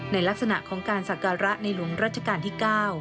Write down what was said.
ลักษณะของการศักระในหลวงราชการที่๙